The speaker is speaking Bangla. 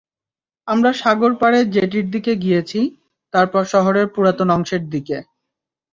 আমরা সাগর পাড়ের জেটির দিকে গিয়েছি, তারপর শহরের পুরাতন অংশের দিকে।